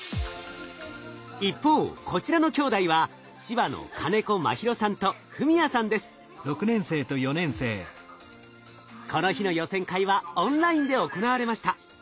一方こちらのきょうだいは千葉のこの日の予選会はオンラインで行われました。